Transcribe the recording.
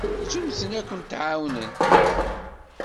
Ǧǧemt-ten akent-ɛawnen.